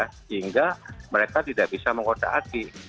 sehingga mereka tidak bisa mengkotak atik